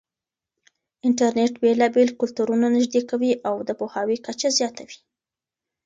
انټرنېټ بېلابېل کلتورونه نږدې کوي او د پوهاوي کچه زياتوي.